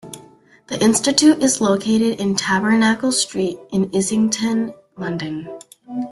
The Institute is located in Tabernacle Street in Islington, London.